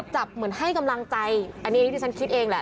เหมือนให้กำลังใจอันนี้ที่ฉันคิดเองแหละ